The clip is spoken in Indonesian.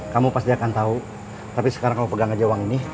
kamu pasti akan tahu tapi sekarang kamu pegang aja uang ini